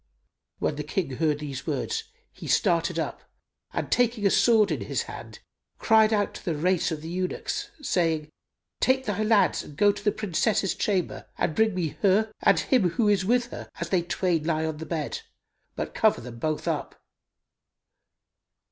When the King heard these words he started up and taking a sword in his hand, cried out to the Rais of the eunuchs, saying, "Take thy lads and go to the Princess's chamber and bring me her and him who is with her as they twain lie on the bed; but cover them both up."